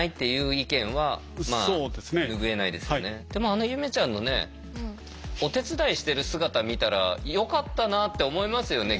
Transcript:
あのゆめちゃんのねお手伝いしてる姿見たらよかったなって思いますよね。